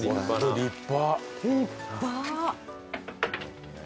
立派！